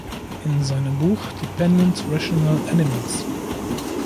In seinem Buch "Dependent Rational Animals.